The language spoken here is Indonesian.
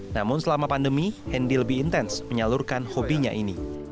namun selama pandemi hendy lebih intens menyalurkan hobinya ini